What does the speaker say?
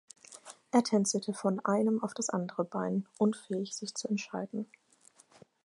Er tänzelte von einem auf das andere Bein, unfähig sich zu entscheiden.